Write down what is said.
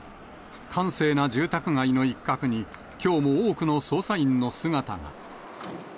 閑静な住宅街の一角に、きょうも多くの捜査員の姿が。